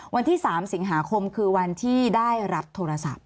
วันที่๓สิงหาคมคือวันที่ได้รับโทรศัพท์